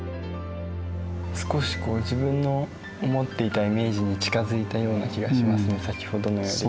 少しこう自分の思っていたイメージに近づいたような気がしますね先ほどのより。